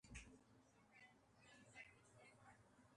El que sigui sonarà.